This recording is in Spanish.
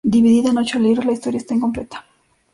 Dividida en ocho libros, la historia está incompleta.